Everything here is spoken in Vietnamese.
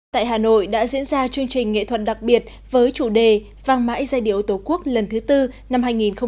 tại hà nội đã diễn ra chương trình nghệ thuật đặc biệt với chủ đề vang mãi giai điệu tổ quốc lần thứ tư năm hai nghìn hai mươi